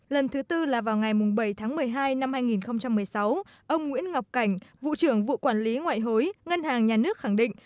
lần thứ tư là vào ngày bảy tháng một mươi hai năm hai nghìn một mươi sáu ông nguyễn ngọc cảnh vụ trưởng vụ quản lý ngoại hối ngân hàng nhà nước khẳng định